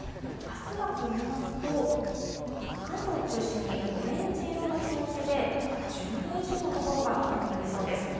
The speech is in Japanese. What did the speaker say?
あすはといいますと、関東を中心にオレンジ色の表示で、１０度以上の所が多くなりそうです。